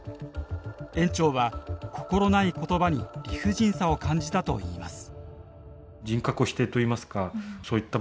園長は心ない言葉に理不尽さを感じたといいます。